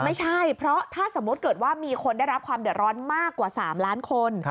ไม่ใช่เพราะถ้าสมมุติเกิดว่ามีคนได้รับความเดือดร้อนมากกว่า๓ล้านคน